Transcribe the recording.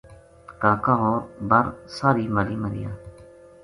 کا کا ہور بر ساہری ماہلی ما رہیا